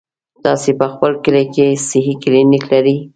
تاسې په خپل کلي کې صحي کلينيک لرئ؟